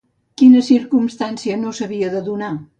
Quina circumstància no s'havia de donar?